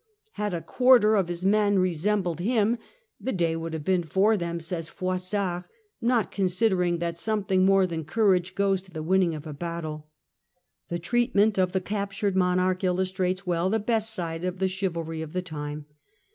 "Had a quarter of his men resembled him, the day would have been for them," says Froissart, not con sidering that something more than courage goes to the winning of a battle. The treatment of the captured Monarch illustrates w^ell the best side of the chivalry of the time.